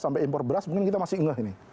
sampai impor beras mungkin kita masih ingat ini